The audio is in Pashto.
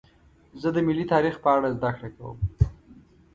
زه د ملي تاریخ په اړه زدهکړه کوم.